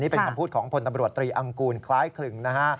เป็นคำพูดของพลตำรวจตรีอังกูลคล้ายคลึงนะฮะ